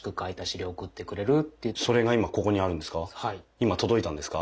今届いたんですか？